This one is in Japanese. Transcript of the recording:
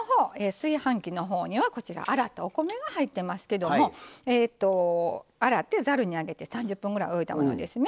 炊飯器の方には洗ったお米が入ってますけども洗ってざるに上げて３０分ぐらい置いたものですね。